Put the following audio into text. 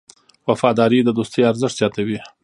وفاداري د دوستۍ ارزښت زیاتوي.